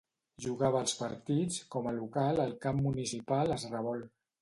Jugava els partits com a local al Camp Municipal es Revolt.